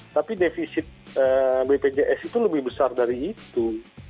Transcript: tapi defisit bpjs itu lebih besar dari itu